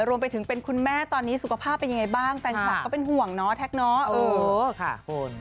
รวมไปถึงเป็นคุณแม่ตอนนี้สุขภาพเป็นยังไงบ้างแฟนคลับก็เป็นห่วงเนาะแท็กเนาะ